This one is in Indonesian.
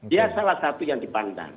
dia salah satu yang dipandang